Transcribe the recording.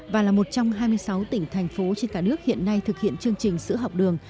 và là một trong hai mươi sáu tỉnh thành phố trên cả nước hiện nay thực hiện chương trình sữa học đường